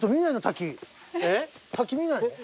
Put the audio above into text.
滝見ないの？